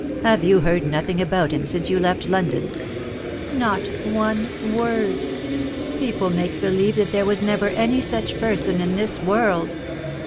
" Have you heard nothing about him since you left London ?"" Not one word. People make believe that there was never any such person in this world.